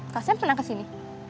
kak sam pernah kesini